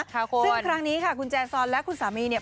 ซึ่งครั้งนี้ค่ะคุณแจซอนและคุณสามีเนี่ย